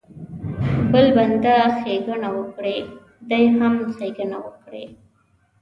بل بنده ښېګڼه وکړي دی هم ښېګڼه وکړي.